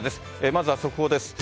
まずは速報です。